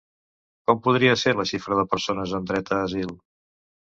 Com podria ser la xifra de persones amb dret a asil?